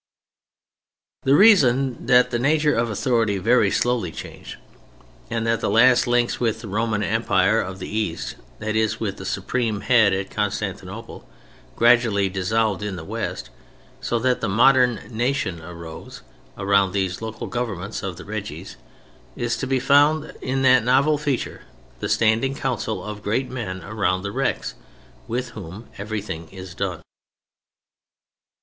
The reason that the nature of authority very slowly changed, that the last links with the Roman Empire of the East—that is, with the supreme head at Constantinople—gradually dissolved in the West, and that the modern nation arose around these local governments of the Reges, is to be found in that novel feature, the standing Council of great men around the Rex, with whom everything is done.